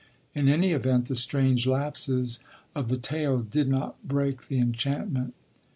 In any event the strange lapses of the tale did not break the enchantment.